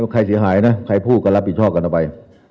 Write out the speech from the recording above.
ใครเสียหายนะใครพูดก็รับผิดชอบกันเอาไป